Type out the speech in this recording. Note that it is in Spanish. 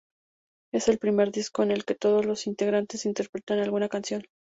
Es el primer disco en el que todos los integrantes interpretan alguna canción.